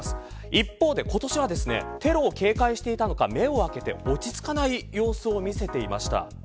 一方で今年はテロを警戒していたのか、目を開けて落ち着かない様子を見せていました。